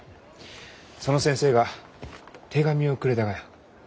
その先生が手紙をくれたがよ。